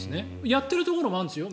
やっているところもあるんですよ